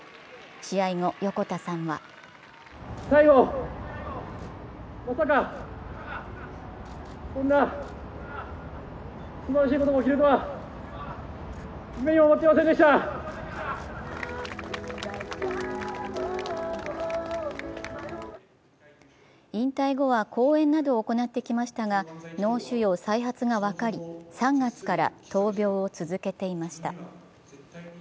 試合後、横田さんは引退後は講演などを行ってきましたが脳腫瘍再発が分かり３月から闘病を続けていました。